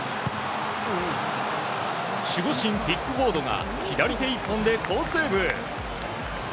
守護神ピックフォードが左手１本で好セーブ！